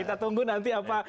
kita tunggu nanti apa